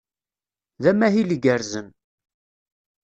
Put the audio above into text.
D amahil igerrzen.